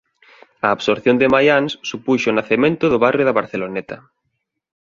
A absorción de Maians supuxo o nacemento do barrio da Barceloneta.